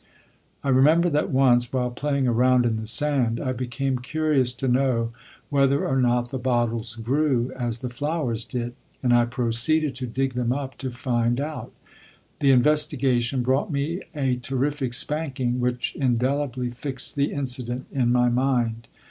I remember that once, while playing around in the sand, I became curious to know whether or not the bottles grew as the flowers did, and I proceeded to dig them up to find out; the investigation brought me a terrific spanking, which indelibly fixed the incident in my mind.